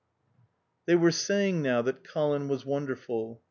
x They were saying now that Colin was wonderful.